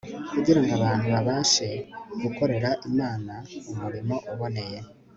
kugira ngo abantu babashe gukorera imana umurimo uboneye